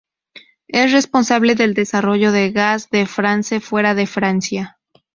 Es responsable del desarrollo de Gaz de France fuera de Francia.